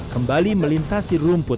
kembali melintasi rumput